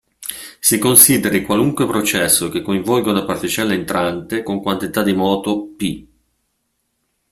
Si consideri qualunque processo che coinvolga una particella entrante con quantità di moto "p".